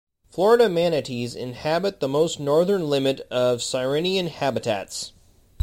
Florida manatees inhabit the most northern limit of sirenian habitats.